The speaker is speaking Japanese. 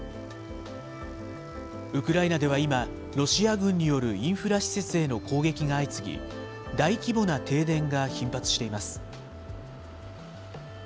ウクライナでは今、ロシア軍によるインフラ施設への攻撃が相次ぎ、大規模な停電が頻発しています。